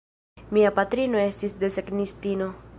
Mia patrino estis desegnistino.